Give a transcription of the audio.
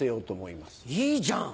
いいじゃん。